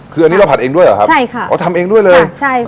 คืออันนี้เราผัดเองด้วยเหรอครับใช่ค่ะอ๋อทำเองด้วยเลยใช่ค่ะ